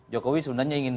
jokowi sebenarnya ingin